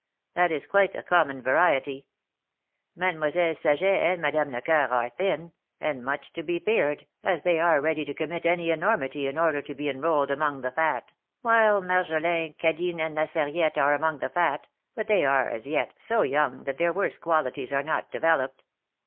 That is quite a common variety. Mademoiselle Saget and Madame Lecoeur are Thin, and much to be feared, as they are ready to commit any enormity in order to be enrolled among the Fat, while Marjolin, Cadine, and La Sarriette are among the Fat, but they are, as yet, so young that their worst qualities are not developed.